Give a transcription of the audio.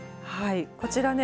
こちらね